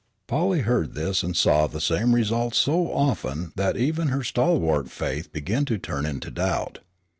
Polly heard this and saw the same result so often that even her stalwart faith began to turn into doubt.